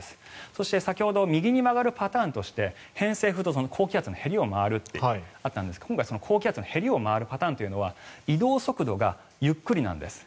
そして先ほど右に曲がるパターンとして偏西風と高気圧のへりを回るってあったんですが今回、その高気圧のへりを回るパターンというのは移動速度がゆっくりなんです。